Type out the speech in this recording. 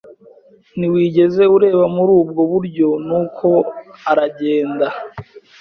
Ntiwigeze ureba muri ubwo buryo nuko aragenda